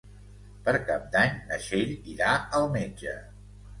Per Cap d'Any na Txell irà al metge.